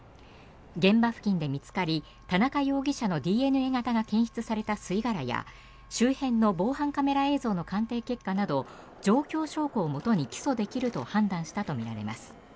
現場付近で見つかり田中容疑者のＤＮＡ型が検出された吸い殻や周辺の防犯カメラ映像の鑑定結果など状況証拠をもとに起訴できると判断したとみられます。